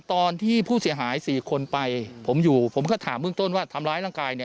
ตอนที่ผู้เสียหาย๔คนไปผมอยู่ผมก็ถามเบื้องต้นว่าทำร้ายร่างกาย